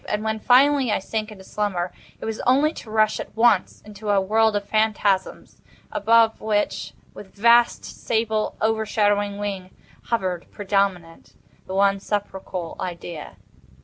And when, finally, I sank into slumber, it was only to rush at once into a world of phantasms, above which, with vast, sable, overshadowing wing, hovered, predominant, the one sepulchral Idea.